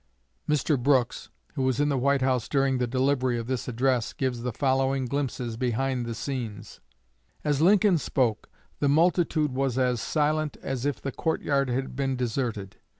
Mr. Brooks, who was in the White House during the delivery of this address, gives the following glimpses behind the scenes: "As Lincoln spoke, the multitude was as silent as if the court yard had been deserted.